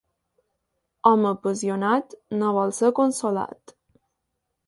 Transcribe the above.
Home apassionat no vol ser consolat.